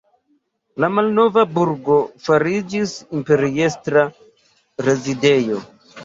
La malnova burgo fariĝis imperiestra rezidejo.